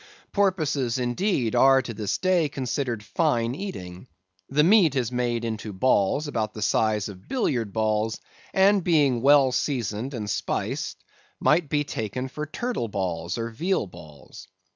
Porpoises, indeed, are to this day considered fine eating. The meat is made into balls about the size of billiard balls, and being well seasoned and spiced might be taken for turtle balls or veal balls.